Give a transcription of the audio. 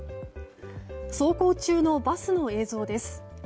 走行中のバスの映像です。